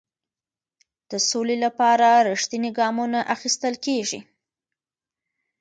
د سولې لپاره رښتیني ګامونه اخیستل کیږي.